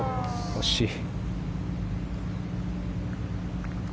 惜しい。